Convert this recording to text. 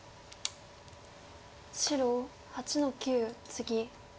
白８の九ツギ。